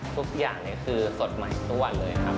ทุกอย่างคือสดใหม่ทุกวันเลยครับ